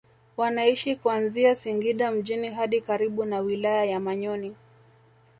Wanaishi kuanzia Singida mjini hadi karibu na wilaya ya Manyoni